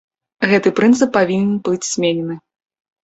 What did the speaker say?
Гэты прынцып павінен быць зменены.